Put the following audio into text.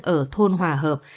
ở thôn hòa hợp